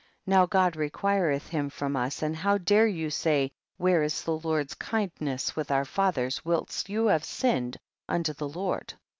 now God requireth him from us, and how dare you say, where is the Lord's kindness with our fathers, whilst you have ainned unto the Lord